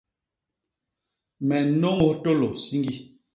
Me nnôñôs tôlô siñgi.